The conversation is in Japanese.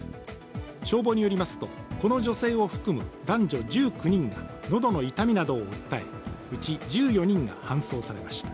消防によりますと、この女性を含む男女１９人が喉の痛みなどを訴え、うち１４人が搬送されました。